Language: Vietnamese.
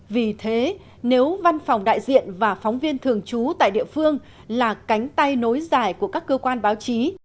vì thế nếu văn phòng đại diện và phóng viên thường trú tại địa phương là cánh tay nối dài của các cơ quan báo chí